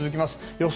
予想